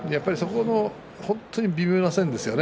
本当に微妙な線ですね。